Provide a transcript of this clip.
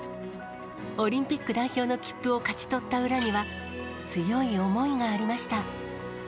オリンピック代表の切符を勝ち取った裏には、強い思いがありまし